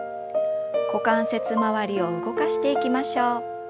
股関節周りを動かしていきましょう。